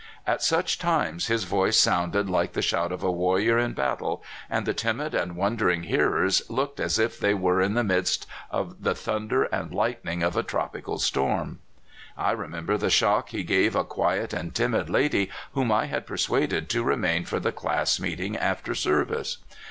At such times his voice sounded like the shout of a warrior in battle, and the timid and wondering hearers looked as if they were in the midst of the thunder and lightning of a tropical storm. I remember the shock he gave a quiet and timid lady whom I had persuaded to remain for the class meeting after service.